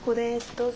どうぞ。